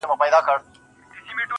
یوه خولگۍ خو مسته، راته جناب راکه.